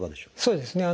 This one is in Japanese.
そうですね